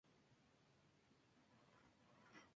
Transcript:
El jardín botánico está abierto al público.